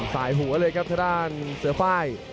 สายหัวเลยครับสดานเสื้อป้าย